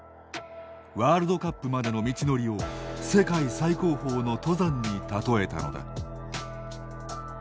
ワールドカップまでの道のりを世界最高峰の登山に例えたのだ。